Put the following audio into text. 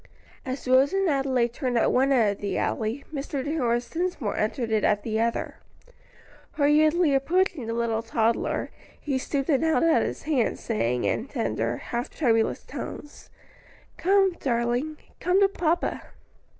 As Rose and Adelaide turned at one end of the alley, Mr. Horace Dinsmore entered it at the other. Hurriedly approaching the little toddler, he stooped and held out his hands, saying, in tender, half tremulous tones, "Come, darling, come to papa."